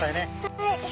はい。